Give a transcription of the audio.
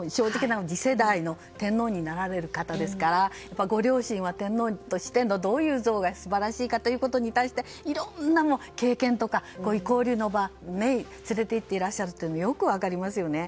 次世代の天皇になられる方ですからご両親は天皇としてどういう像が素晴らしいのかに対していろんな経験とか交流の場に連れて行っていらっしゃるというのがよく分かりますよね。